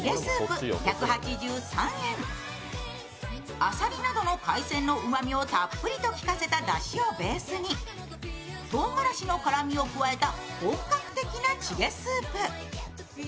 あさりなどの海鮮のうまみをたっぷり効かせただしをベースにとうがらしの辛みを加えた本格的なチゲスープ。